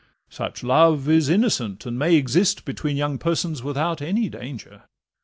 Such love is innocent, and may exist Between young persons without any danger.